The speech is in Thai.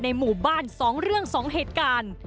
หมู่บ้าน๒เรื่อง๒เหตุการณ์